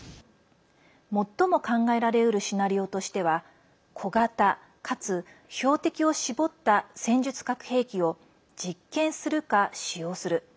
最も考えられうるシナリオとしては小型、かつ標的を絞った戦術核兵器を実験するか使用する。